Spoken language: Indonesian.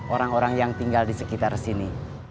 orang orang yang tinggal di sekitar sini